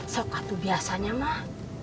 sokotu biasanya mah